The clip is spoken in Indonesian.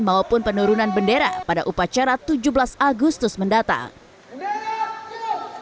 maupun penurunan bendera pada upacara tujuh belas agustus mendatang